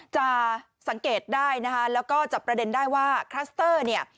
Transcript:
จะสังเกตได้นะคะแล้วก็จับประเด็นได้ว่าคลัสเตอร์เนี่ย